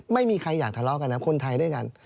ไม่มีใครอยากทะเลาะกันนะคนไทยด้วยกัน